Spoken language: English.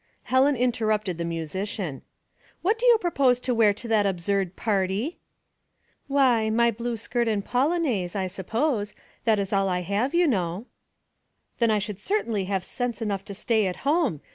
Helen interrupted the musician. " What do you propose to wear to that absurd party ?"" Why, my blue skirt and polonaise, I sup pose. That is all I have, you know." '* Then I should certainly have sense enough to stay at home.